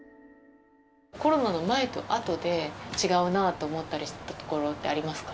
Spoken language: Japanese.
コロナの前と後で違うなと思ったりしたところってありますか？